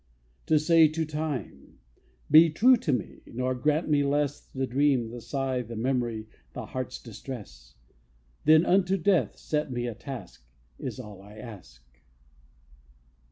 To say to time, Be true to me, Nor grant me less The dream, the sigh, the memory, The heart's distress; Then unto death set me a task, Is all I ask.